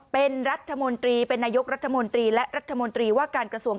เป็นรัฐมนตรีเป็นนายกรัฐมนตรีและรัฐมนตรีว่าการกระทรวง